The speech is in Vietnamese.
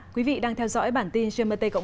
quý vị đang theo dõi bản tin gmt bảy